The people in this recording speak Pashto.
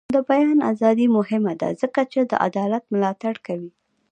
د بیان ازادي مهمه ده ځکه چې د عدالت ملاتړ کوي.